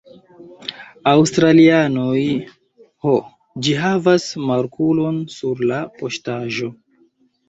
Australianoj. Ho, ĝi havas markulon sur la postaĵo.